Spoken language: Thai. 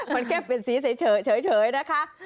มันแค่เปลี่ยนสีเฉยนะคะ